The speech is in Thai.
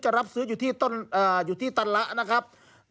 รับซื้ออยู่ที่ตันละนะครับ